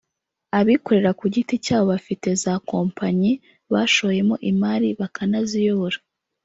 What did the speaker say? abikorera ku giti cyabo bafite za Kompanyi bashoyemo imari bakanaziyobora